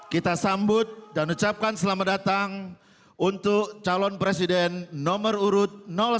kita sambut dan ucapkan selamat datang untuk calon presiden nomor urut satu